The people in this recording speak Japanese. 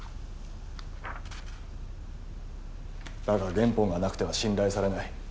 だが原本がなくては信頼されない。